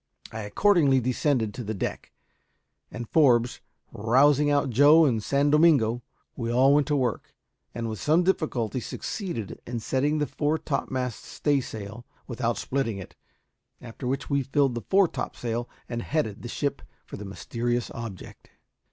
I accordingly descended to the deck, and, Forbes rousing out Joe and San Domingo, we all went to work, and, with some difficulty, succeeded in setting the fore topmast staysail without splitting it, after which we filled the fore topsail and headed the ship for the mysterious object.